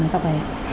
với các em